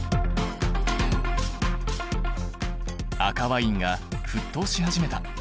赤ワインが沸騰し始めた。